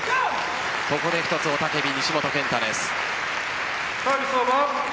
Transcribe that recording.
ここで一つ雄叫び西本拳太です。